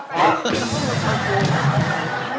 หวะ